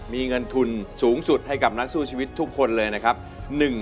มีเงินทุนสูงสุดให้กับนักสู้ชีวิตทุกคนเลยนะครับ